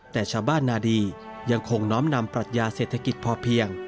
แต่ชาวบ้านนาดียังคงน้อมนำปรัชญาเศรษฐกิจพอเพียง